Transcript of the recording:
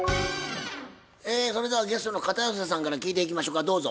それではゲストの片寄さんから聞いていきましょかどうぞ。